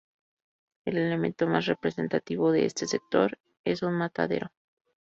El elemento más representativo de este sector es un matadero.